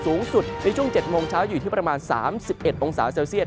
สูงสุดในช่วง๗โมงเช้าอยู่ที่ประมาณ๓๑องศาเซลเซียต